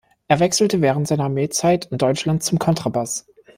Er wechselte während seiner Armeezeit in Deutschland zum Kontrabass.